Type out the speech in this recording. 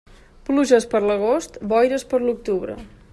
Pluges per l'agost, boires per l'octubre.